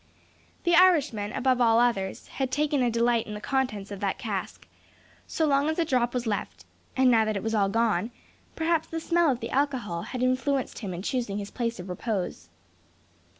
The Irishman, above all others, had taken a delight in the contents of that cask, so long as a drop was left; and now that it was all gone, perhaps the smell of the alcohol had influenced him in choosing his place of repose.